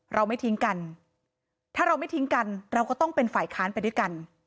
เราไม่ทิ้งกันถ้าเราไม่ทิ้งกันเราก็ต้องเป็นฝ่ายค้านไปด้วยกัน